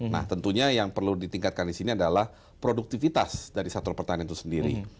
nah tentunya yang perlu ditingkatkan di sini adalah produktivitas dari sektor pertanian itu sendiri